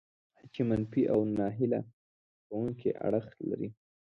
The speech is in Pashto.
چې منفي او ناهیله کوونکي اړخ لري.